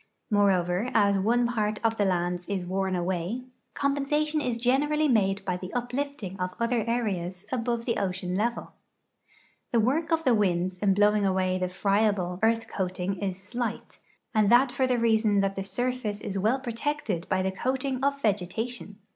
^Moreover, as one part of the lands is worn away, compensation is generally made by the uplifting of other areas above the ocean level. The work of the winds in blowing away the friable earth coating is slight, and that for the reason that the surfiice is well ])rotected by the coating of vegetation.